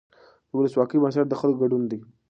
د ولسواکۍ بنسټ د خلکو ګډون دی